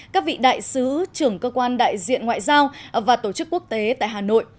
các vị đại sứ trưởng cơ quan đại diện ngoại giao và tổ chức quốc tế tại hà nội